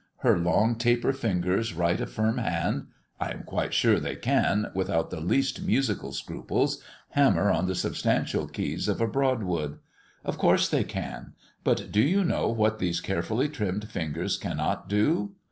Her long taper fingers write a firm hand; I am quite sure they can, without the least musical scruples, hammer on the substantial keys of a Broadwood. Of course they can; but do you know what these carefully trimmed fingers cannot do?